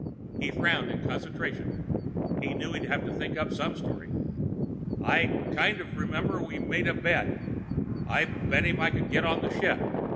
He frowned in concentration. He knew he'd have to think up some story. "I kind of remember we made a bet. I bet him I could get on the ship.